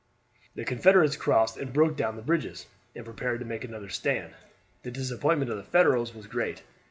The Confederates crossed and broke down the bridges, and prepared to make another stand. The disappointment of the Federals was great.